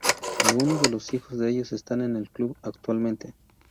Algunos de los hijos de ellos están en el club actualmente.